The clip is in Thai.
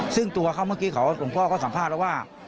ซึ่งตัวเขาเมื่อกี้ผมก็สัมภาษณ์แล้วว่า